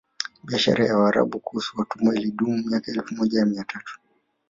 Biashara ya Waarabu kuhusu watumwa ilidumu miaka elfu moja mia tatu